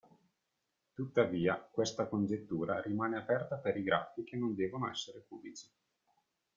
Tuttavia, quest congettura rimane aperta per i grafi che non devono essere cubici.